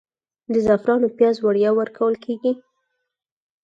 د زعفرانو پیاز وړیا ورکول کیږي؟